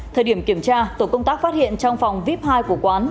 thời điểm kiểm tra tổ công tác phát hiện trong phòng vip hai của quán